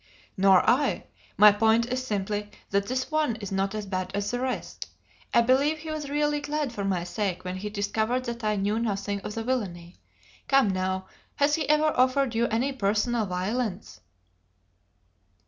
"Nor I. My point is simply that this one is not as bad as the rest. I believe he was really glad for my sake when he discovered that I knew nothing of the villainy. Come now, has he ever offered you any personal violence?"